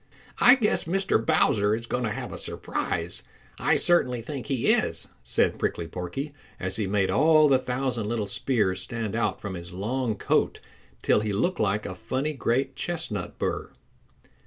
"I guess Mr. Bowser is going to have a surprise; I certainly think he is," said Prickly Porky as he made all the thousand little spears stand out from his long coat till he looked like a funny great chestnut burr.